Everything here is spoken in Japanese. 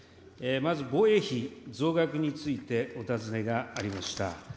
まず防衛費増額について、お尋ねがありました。